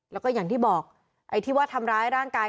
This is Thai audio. แล้วก็อย่างที่บอกไอ้ที่ว่าทำร้ายร่างกาย